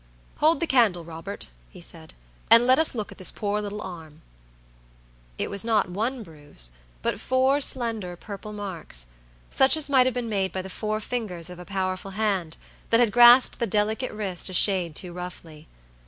"Hold the candle, Robert," he said, "and let us look at this poor little arm." It was not one bruise, but four slender, purple marks, such as might have been made by the four fingers of a powerful hand, that had grasped the delicate wrist a shade too roughly.